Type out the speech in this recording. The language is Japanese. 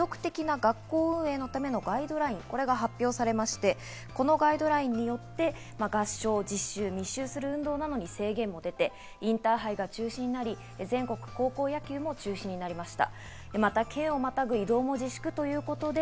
文科省から持続的な学校運営のためのガイドライン、これが発表されまして、このガイドラインによって、合唱・実習・密集する運動などに制限も出て、インターハイが中止になり、全国高校野球も中止になりました。